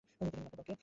দেখে নিন আপনার দলকে।